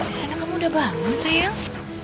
karena kamu udah bangun sayang